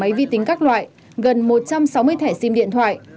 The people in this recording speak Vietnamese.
máy vi tính các loại gần một trăm sáu mươi thẻ sim điện thoại